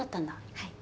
はい。